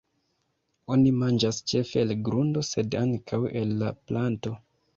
Oni manĝas ĉefe el grundo sed ankaŭ el la planto.